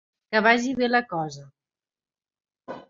Que vagi bé la cosa.